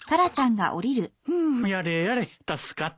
フゥやれやれ助かった。